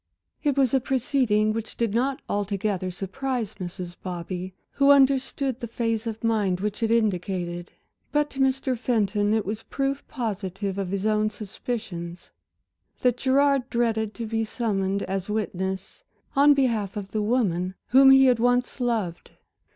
It was a proceeding which did not altogether surprise Mrs. Bobby, who understood the phase of mind which it indicated; but to Mr. Fenton it was proof positive of his own suspicions, that Gerard dreaded to be summoned as witness on behalf of the woman whom he had once loved.